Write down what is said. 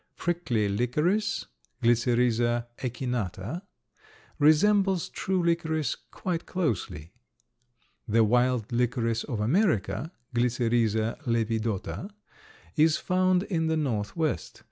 Prickly licorice (Glycyrrhiza echinata) resembles true licorice quite closely. The wild licorice of America (Glycyrrhiza lepidota) is found in the Northwest.